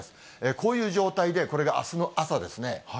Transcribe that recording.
こういう状態でこれがあすの朝ですね。